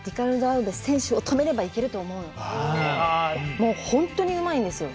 もう本当にうまいんですよ。